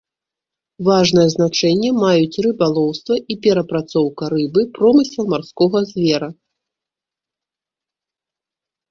Важнае значэнне маюць рыбалоўства і перапрацоўка рыбы, промысел марскога звера.